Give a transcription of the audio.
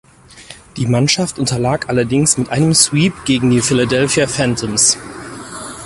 Die Mannschaft unterlag allerdings mit einem Sweep gegen die Philadelphia Phantoms.